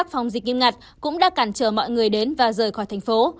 phí lạt cũng đã cản trở mọi người đến và rời khỏi thành phố